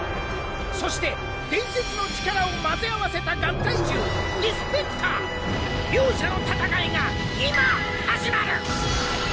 そして伝説の力を混ぜ合わせた合体獣ディスペクター。両者の戦いが今始まる！